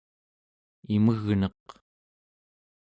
imegneq